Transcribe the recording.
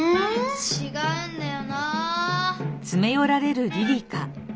ちがうんだよな。